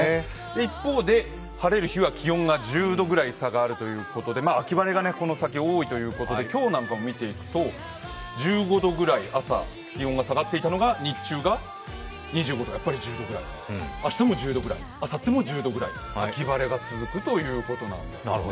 一方で、晴れる日は気温が１０度くらい差があるということで、秋晴れがこの先多いということで今日も見ていくと１５度ぐらい朝、気温が下がっていたのが日中、気温が２５度ぐらい、やっぱり１０度くらい、明日も１０度くらい、あさっても１０度くらい、秋晴れが続くということなんですね。